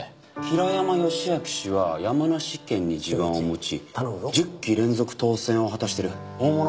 平山義昭氏は山梨県に地盤を持ち１０期連続当選を果たしてる大物代議士ですね。